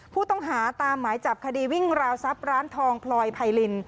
ผู้ต้องหาตามหมายจับคดีวิ่งราวทรัพย์ร้านทองพลอยไพริน